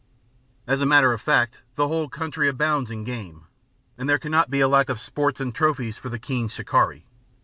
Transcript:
As a matter of fact, the whole country abounds in game, and there cannot be lack of sport and trophies for the keen shikari.